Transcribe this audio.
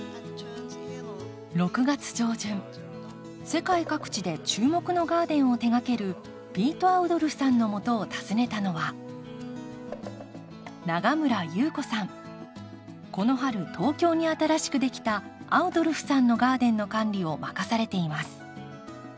世界各地で注目のガーデンを手がけるピート・アウドルフさんのもとを訪ねたのはこの春東京に新しくできたアウドルフさんのガーデンの管理を任されています。